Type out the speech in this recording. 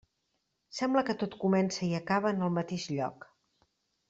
Sembla que tot comença i acaba en el mateix lloc.